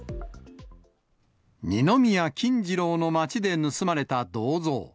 二宮金次郎の街で盗まれた銅像。